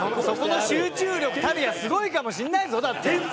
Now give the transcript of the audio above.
そこの集中力たるやすごいかもしれないぞだって。